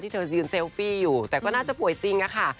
เธอยืนเซลฟี่อยู่แต่ก็น่าจะป่วยจริงอะค่ะ